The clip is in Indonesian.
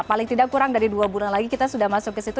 paling tidak kurang dari dua bulan lagi kita sudah masuk ke situ